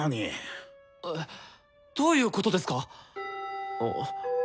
えどういうことですか？